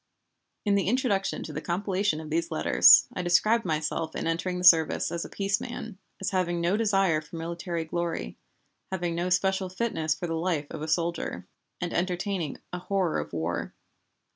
In the introduction to the compilation of these letters I described myself in entering the service as a peace man, as having no desire for military glory, having no special fitness for the life of a soldier, and entertaining a horror of war.